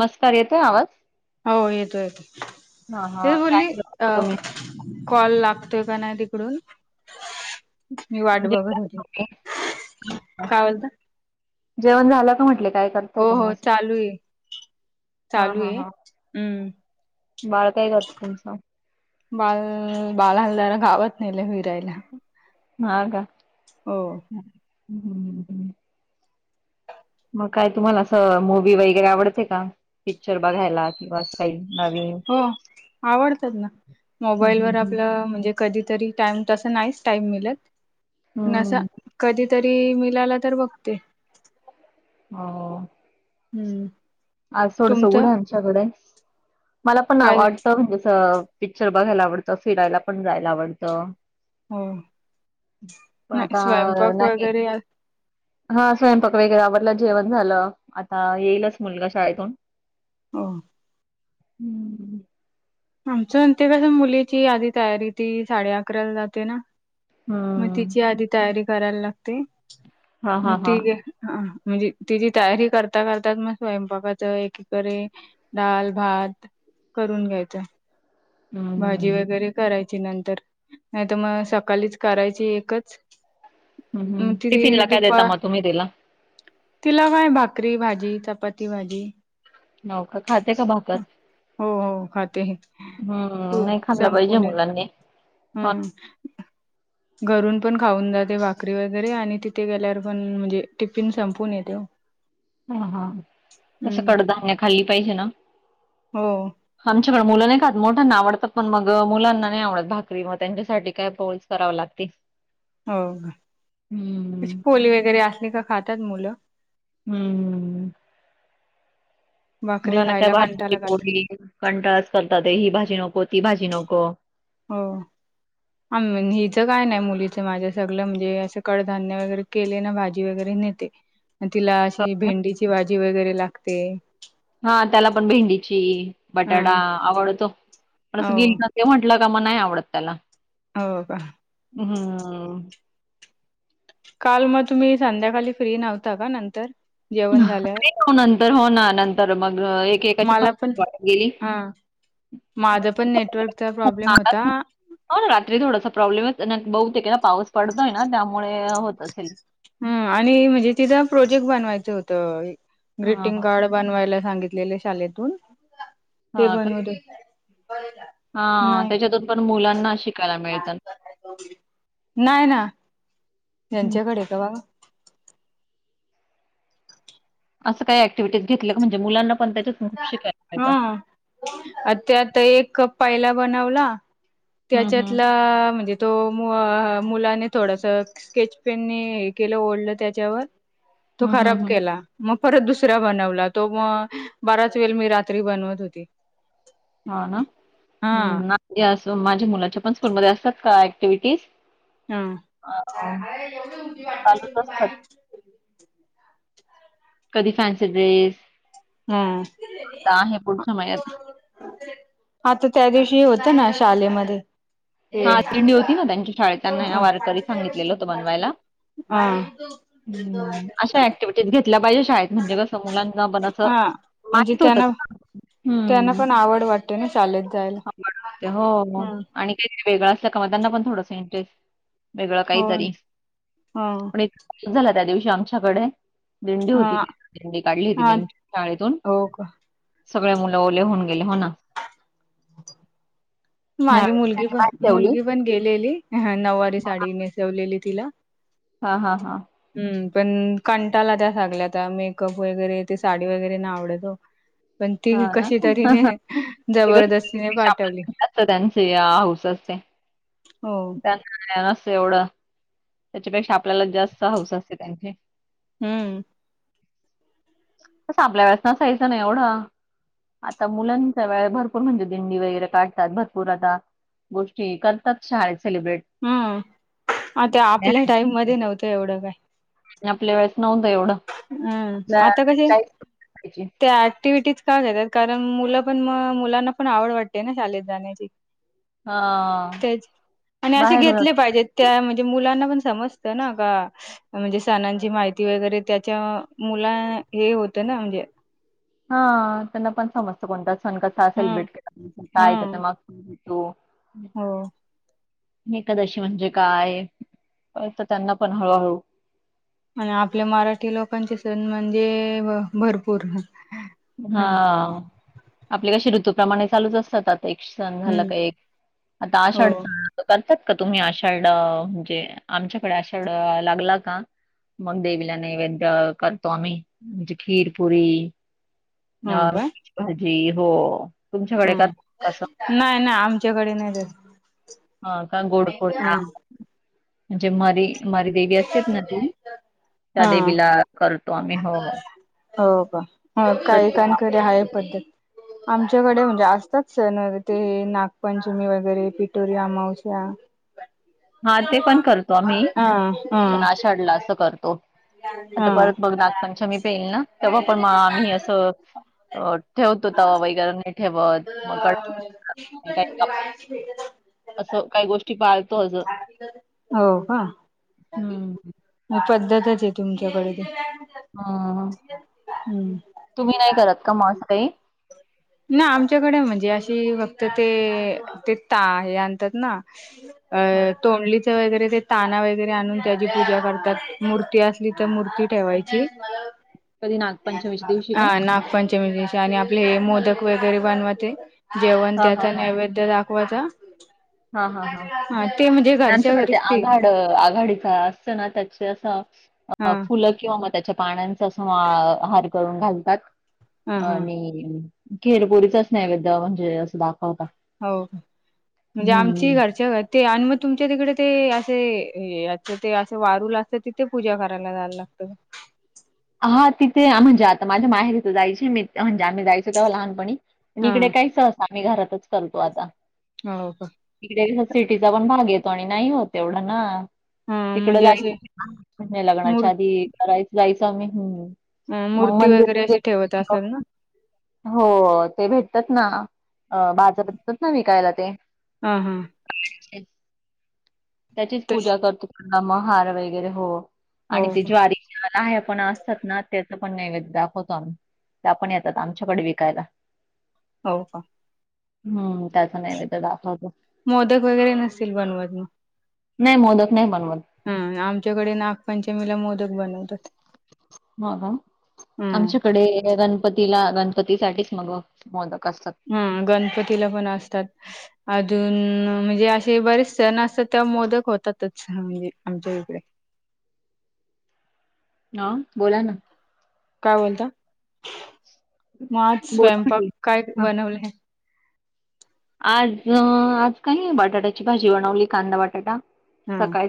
मस्कार येतोय आवाज. हो येतो येतो. हां, हां. ते काय बोली जेवला अ.. का तुम्ही? कॉल लागतोय का, नाही तिकडून. मी वाट जेवला बघत का होते, तुम्ही? अच्छा. काय बोलता. जेवण झालं का म्हटले, काय करताय हो तुम्ही हो असं. चालू आहे हा चालू हा आहे हा, हम्म बाळ काय करतंय तुमचं. बाळं‌ बाळाला जरा, गावात न्हेलय फिरायला. हा का हो हम्म हम्म मग काय तुम्हाला असं मूवी वगैरे आवडते का पिक्चर बघायला किंवा असं काही नवीन हो आवडतात ना हं, मोबाईलवर हं, हं. आपलं म्हणजे कधीतरी टाइम तसं नाहीच टाईम मिलत पण असं हं. कधीतरी मिलाला तर बघते. हो हम्म आ सोडसघडं तुमचं आमच्याकडे मला पण काय वाटतं म्हणजे असं पिक्चर बघायला आवडतं फिरायला पण जायला आवडतं, हो पण नाही आता स्वयंपाक नाही वगैरे हा स्वयंपाक वगैरे आवरलं जेवण झालं आता येईलच मुलगा शाळेतून हो हम्म आमच्या आणं ते कसं मुलीची आधी तयारी ती साडे अकराला जाते ना. मग हम्म तिची आधी तयारी करायला लागते हा हा मग ती हा म्हणजे तिची तयारी करता करता मग स्वयंपाकाच एकीकडे डाल भात करून घ्यायच भाजी हम्म वगैरे करायची नंतर नाही तर मग सकालीच करायची एकच हम्म मग हम्म ति टिफिनला काय देता दुपार मग तुम्ही तिला? तिला काय भाकरी भाजी, चपाती भाजी. हो का खाते का भाकर? हो हो खाते हम्म पु- नाही खाल्लं पाहिजे संपून येते मुलांनी हा हम्म घरून पण खाऊन जाते भाकरी वगैरे आणि तिथं गेल्यावर पण म्हणजे टिफिन संपवून येते ओ. हा हा कसं कडधान्य खाल्ली पाहिजे ना? हो आमच्याकडे मुलं नाही खात मोठ्यांना आवडत पण मग मुलांना नाही आवडत भाकरी मग त्यांच्यासाठी काय पोळीच कराव लागतंय. हो अशी पोली वगैरे असली का खात्यात मुलं. हम्म भाकरी मुलांना काय खायला [inaudible] कंटाला खातात. पोळी कंटाळाचं करतात ही भाजी नको ती भाजी नको. हो अ म हिचं काय नाही मुलीच माझ्या सगळ म्हणजे असं कडधान्य वगैरे केले ना भाजी वगैरे नेते, तिला अशी भेंडीची भाजी वगैरे लागते. हा त्याला पण भेंडीची बटाटा हं आवडतो पण हो असं गेल ते म्हटलं का मग नाही आवडत त्याला. हो का हम्म काल मअ तुम्ही संध्याकाली फ्री नव्हता का नंतर जेवण झाल्यावर? नाही हो हो ना नंतर मग एकेकाची मला [inaudible] गेली. माझं पण नेटवर्कचा प्रॉब्लेम होता. हो ना रात्री थोडासा प्रॉब्लेमच आहे बहुतेक हे ना पाऊस पडतोय ना त्यामुळे होत असेल हू आणि म्हणजे तिज प्रोजेक्ट बनवायचं होतं हां, ग्रीटिंग हां. कार्ड बनवायला सांगितलेले शालेेतून ते बनवले हा नाही त्याच्यातून पण मुलांना शिकायला मिळतन नाय ना हं. यांच्याकडे कवा असं काय अँक्टिव्हिटीस घेतल का म्हणजे मुलांना पण त्याच्यातून शिकायला मिळतं आ त्यात एक पहिला बनवला हं, हं. त्याच्यातला म्हणजे तो मू मुलांने थोडस स्केचपेनने हे केलं ओढलं त्याच्यावर तो हं, हं, खराब हं. केला म परत दुसरा बनवला तो म बराच वेल मी रात्री बनवत होते हा ना हू आणि असं माझ्या मुलाच्या पण स्कूलमध्ये असतात का ऍक्टिव्हिटीज हु [unintelligible] चालूच असत कधी फॅन्सी ड्रेस ह आता आहे पुढच्या महिन्यात हा तो त्यादिवशी होतना शालेमध्ये हां, दिंडी होती तेच ना त्यांच्या शाळेत, त्यांना ए आहे ना वारकरी सांगू सांगितलेलं होतं बनवायला. का [unintelligible] [unintelligible] हा तेच घेतला पाहिजे शाळेत म्हणजे कसं मुलांना पण असं म्हणजे माहित होतात त्यांना ना त्यांना हं, पण आवड वाटते ना शालेत जायला हा हा हू ते नई वेगळं अस कवा त्यांना पण एक इंटरेस्ट वेगळं हो ह काहीतरी पण एक झालं त्या दिवशी आमच्याकडे दिंडी होती हा दिंडी काढली होती हा त्यांच्या शाळेतून हो का सगळे मुल ओले होऊन गेले हो ना माझी ह्यावेळेस मुलगी त्यांनी भात पण ठेवली मुलगी पण गेलेली ह नऊवारी साडी नेसवलेली तिला हा हा हा हु पण कंटाला त्या सगलयाचा मेकअप वगैरे ते साडी वगैरे नाय आवडत ओ पण ती हा ना कशीतरी जबरदस्तीने पाठवली सदांची या हाऊस असते हो त्यांना काय नसतं एवढं त्याच्यापेक्षा आपल्यालाच जास्त हाऊस असते त्यांची हु कसं आपल्यावेळेस नसायचं ना एवढं आत्ता मुलांच्या वेळे भरपूर म्हणजे दिंडी वेगळे काढतात भरपूर आता गोष्टी करतात शाळेत सेलिब्रेट हु आता आपल्या टाईम मध्ये नव्हतं एवढं काय आणि आपल्या वेळेत नव्हतं निवड हु आता कशे करायची. त्या ऍक्टिव्हिटीज का देतात कारण मुल पण म मुलांना पण आवड वाटते ना शालेत जाण्याची हा तेच आणि असे बाहेर होत. घेतले पाहिजेत त्या म्हणजे मुलांना पण समजत ना का म्हणजे सणांची माहिती वगैरे त्याच्या मुला हे होत ना म्हणजे हा त्यांना पण समजतं कोणता सण कसा हम्म सेलिब्रेट केला काय हम्म त्याच्या माग होतो हो एकादशी म्हणजे काय, कळतं त्यांना पण हळू हळू. आणि आपल्या मराठी लोकांचे सण म्हणजे ब भरपूर. हा हम्म आपले कसे ॠतुप्रमाणे चालूच असतात. एक सण झाला का एक आता हो आषाढ करतात का तुम्ही आषाढ अ म्हजे आमच्याकडे आषाढ अ लागला का मंग देवीला नैवेद्य करतो आम्ही म्हजे खीर पुरी हो अ भाजी हो. हु तुमच्याकडे करतात कसं? नाय नाय आमच्याकडे नाय त हा का गोडधोड खा जे मरी मरी देवी असतेत ना ती, त्या हा देवीला करतो आमी हो हो. हो का हो काहीकांकडे आहे पद्धत. आमच्याकडे म्हणजे असतात सन व ते नागपंचमी वगैरे पीठोरी अमावश्या. हा ते पण करतो आम्ही हा हा पण आषाढला असं करतो. आता हा परत मग नागपंचमी ते येईल ना तेव्हा पण आम्ही असं ठेवतो तवा वगैरे. ठेवत मग काही ती कुठ काही ठेवली काप- वाईची भेट असं काही गोष्टी पाळतो अजून. हो का हम्म. म पद्धतचे तुमच्याकडे ती. हम्म हम्म. तुम्ही नाही करत का म असं काही? ना आम् -च्याकडे म्हणजे अशी फक्त ते ते ता हे आणतात ना अ ह तोंडलीच् वगैरे ते ताना वगैरे आणून त्याची पूजा करतात मूर्ती असली त मूर्ती ठेवायची. कधी नागपंचमीच्या दिवशी आ का? नागपंचमी विष् -ते आणि आपले हे मोदक वगैरे बनवते, जेवण हा हा त्याचा हा नैवेद्य दा -वाचा हा हा हा ते म्हणजे घरच्या आमच्याकडे घरीच ते आघाड आघाडीचा असतं ना त्याच्या अस हा फुलं किंवा म त्याच्या पानांच तसं आ हार करून घालतात हा हा आणि खिर पुरीचाच नैवेद्य म्हणजे अस दाखवता हाव का म्हणजे आमची हम्म. घरच्या घरी ते आणि म तुमच्या तिकडे ते अशे याच ते असं वारूल असत तिथे पूजा करायला जायला लाग त हा तिथे आ म्हणजे आता माझ्या माहेरीच जायची मी म्हणजे आम्ही जायचो तेव्हा लहानपणी आणि हा इकडे काय सहसा आम्ही घरातच करतो आता. हो का इकडे कस सिटीचा पण भाग येतो आणि नाही होत एवढं ना. हा तिकड म्हणजे जायचं असे म्ह मूर् लग्नाच्या आधी करायचं जायचो आम्ही हम्म. अ मूर्ती वगैरे अशी ठेवत असंल ना. हो ते भेटतात ना बाजारात [unintelligible] ना विकायला ते हा हा त्यांच त्याचीच तस पूजा करतो म हार वगैरे हो. हो आणि ते का ज्वारीच्या लाह्या पण असतात ना त्याचं पण नैवेद्य दाखवतो आम्ही. त्या पण येतात आमच्याकडे विकायला. हो का हम्म त्याचा नैवेद्य दाखवतो. मोदक वगैरे नसतील बनवत म. नाही मोदक नाही बनवत. हम्म आमच्याकडे नागपंचमीला मोदक बनवतात. हा का हं आमच्याकडे गणपतीला गणपतीसाठीच मग मोदक असतात. हम्म गणपतीला पण असतात. अजून म्हणजे अशे बरेच सण असतात तेव्हा मोदक होतातच म्हणजे आमच्या इकडे. हा बोला ना. काय बोलता मग आज बोला स्वयंपाक की. काय हा बनवले आहे. आज आज काही नाही बटाट्याची भाजी बनवली कांदा बटाटा हं सकाळी.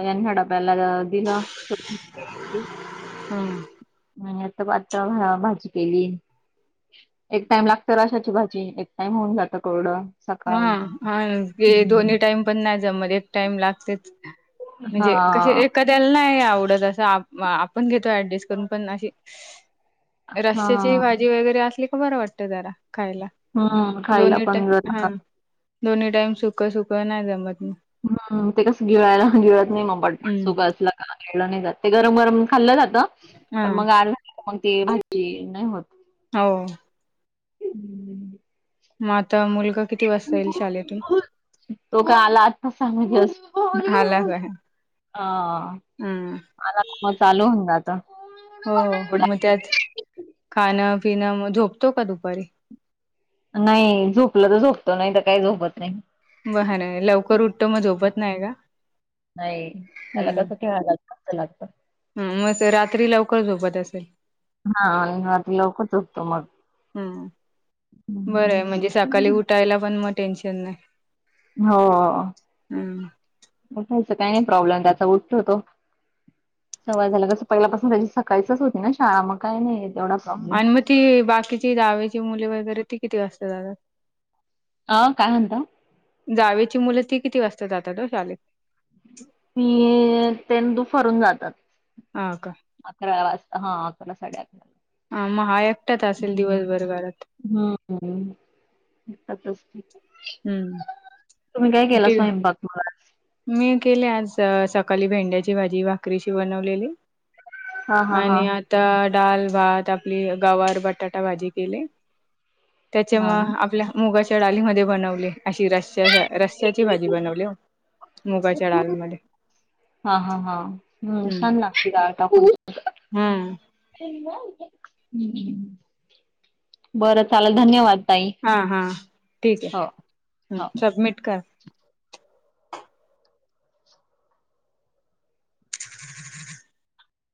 ह्यांना डब्याला दिलं शेपूची भाजी. हं आणि आता पातळ भाजी केली. एक टाइम लागत रसाची भाजी एक टाइम होऊन जातं कोरडं. सकाळी. हम्म हा ते हम्म दोन्ही टाईम पण नाही जमत एक टाइम लागतेच. हा म्हणजे कशे एक [unintelligible] त्याला नाही आवडत अस आपण घेतो ऍडजस्ट करून पण अशी हा रश्याची भाजी वगैरे असली का बरं वाटत जरा खायला हम्म खायला पण जरा हा का दोन्ही टाईम सुक सुक नाही जमत ना. हम ते कसं गिळायला गिळत नाही मग पटपट हम्म सुक असलं. गिळल नाही जात ते गरम गरम खाल्लं जात हा पण मग कोणती भाजी नाही होत. हो. [unintelligible] म आता मुलगा किती वाजता येईल शालेेतून तो का आला आत्ताच आला [unintelligible] काय हा हम्म आला की मग चालू होऊन जातं. हो थोडा मग त्यात खाणं पिणं मग झोपतो का दुपारी. नाही झोपलं तर झोपतो नाही तर काही झोपत नाही ब नाही लवकर उठतो मग झोपत नाही का. नाही त्याला हम्म कसं खेळायला जास्त लागतं. हम्म मग ते रात्री लवकर झोपत असेल. हा रात्री लवकर झोपतो मग. हम्म बरं आहे हं. म्हणजे सकाली उठायला पण मग टेन्शन नाही. हो हम्म उठायचा काही नाही प्रॉब्लेम त्याचा उठतो तो. सवय झालं कसं पहिल्यापासून त्याची सकाळीच होती ना शाळा मग काय नाही तेवढं. आणि मग ती बाकीची जावेची मुले वगैरे ती किती वाजता जातात अ काय म्हणता. जावेची मुलं ती किती वाजता जातात ओ शालेत. हम्म ते दुपारून जातात हा का अकरा वाजता हा अकरा साडे अकरा हा मग हा एकटाच असेल हम्म दिवसभर घरात. हम्म एकटाच असतो. हम्म तुम्ही काय केला ठीक आहे. स्वयंपाक मग आज. मी केले आज सकाली भेंड्याची भाजी भाकरीशी बनवलेली हा हा हा. आणि आता डाल, भात आपली गवार, बटाटा भाजी केली. त्याच्या हा मग आपल्या मुगाच्या डालीमध्ये बनवले अशी रस्याच्या रश्श्याची भाजी बनवली ओ मुगाच्या डाळीमध्ये. हा हा हा. हम्म छान लागती डाळ टाकून. हम्म. बर चाललं धन्यवाद. ताई हा हा ठिक आहे. हो हम्म हो. सबमिट कर.